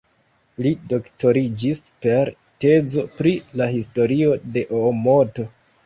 Li doktoriĝis per tezo pri la historio de Oomoto.